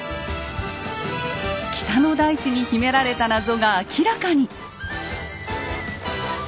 北の大地に秘められた謎が明らかに。